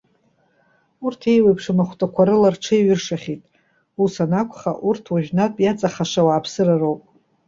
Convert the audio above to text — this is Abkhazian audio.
Урҭ, еиуеиԥшым ахәҭақәа рыла рҽеиҩыршахьеит. Ус анакәха, урҭ уажәнатә иаҵахаша ауааԥсыра роуп.